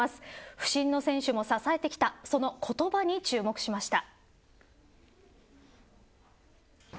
不振の選手も支えてきたその言葉に注目しました。